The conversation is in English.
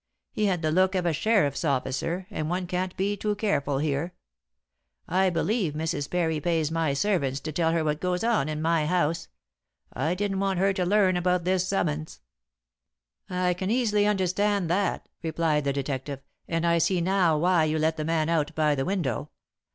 He had the look of a sheriff's officer, and one can't be too careful here. I believe Mrs. Parry pays my servants to tell her what goes on in my house. I didn't want her to learn about this summons." "I can easily understand that," replied the detective; "and I see now why you let the man out by the window.